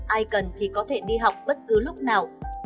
ai cần thì có thể đi học bất cứ lúc nào